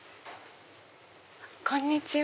こんにちは。